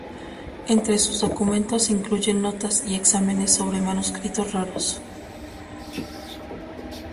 Entre sus documentos se incluyen notas y exámenes sobre manuscritos raros.